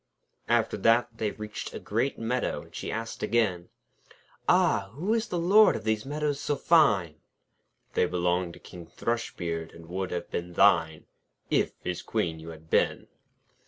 After that they reached a great meadow, and she asked again: 'Ah! who is the Lord of these meadows so fine?' 'They belong to King Thrushbeard, and would have been thine, If his Queen you had been.'